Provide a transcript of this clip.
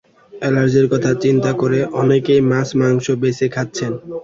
অ্যালার্জির কথা চিন্তা করে অনেকেই মাছ মাংস বেছে খাচ্ছেন।